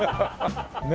ねえ。